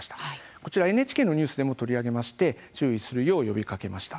こちらＮＨＫのニュースでも取り上げまして注意するよう呼びかけました。